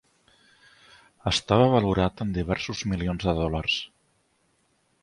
Estava valorat en diversos milions de dòlars.